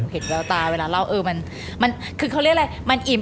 คือเค้าเรียกมันอะไร